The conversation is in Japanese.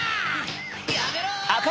やめろ！